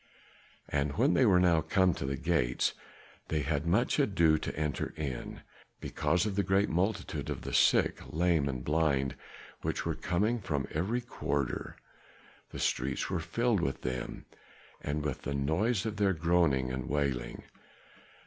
And when they were now come to the gates, they had much ado to enter in, because of the great multitude of the sick, lame and blind which were coming from every quarter. The streets were filled with them, and with the noise of their groaning and wailing.